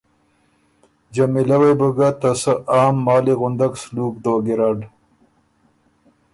جمیله وې بو ګۀ ته سۀ عام مالی غُندک سلوک دوک ګیرډ،